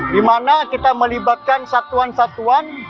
di mana kita melibatkan satuan satuan